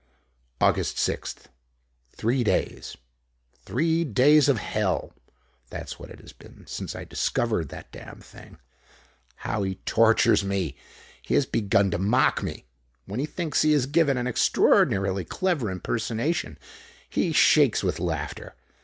Aug. 6th. Three days. Three days of hell! That's what it has been since I discovered that damned thing. How he tortures me! He has begun to mock me. When he thinks he has given an extraordinarily clever impersonation he shakes with laughter.